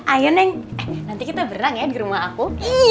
ayo neng nanti kita berang ya di rumah aku